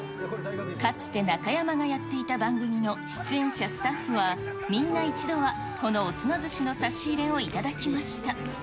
かつて、中山がやっていた番組の出演者、スタッフは、みんな一度は、このおつな寿司の差し入れを頂きました。